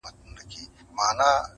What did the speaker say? په نوموړي کنفرانس کي